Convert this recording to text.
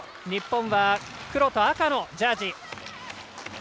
日本は黒と赤のジャージ。